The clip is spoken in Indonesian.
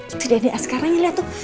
itu dede asgara yang liat tuh